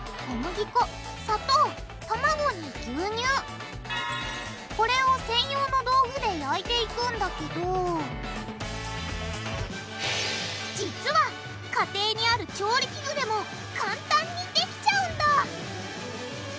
一般的なこれを専用の道具で焼いていくんだけど実は家庭にある調理器具でも簡単にできちゃうんだ！